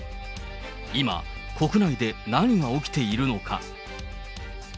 今、国内で何が起きているのか。